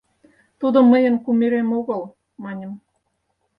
Тудо мыйын кумирем огыл! — маньым.